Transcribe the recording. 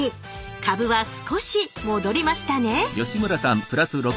株は少し戻りましたね